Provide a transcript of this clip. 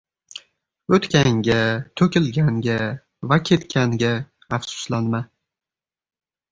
— O‘tganga, to‘kilganga va ketganga afsuslanma.